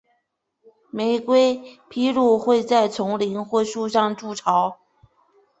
玫瑰琵鹭会在丛林或树上筑巢。